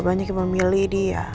banyak yang memilih dia